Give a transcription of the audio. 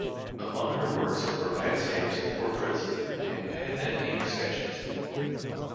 Among her works were landscapes, portraits and pen and ink sketches.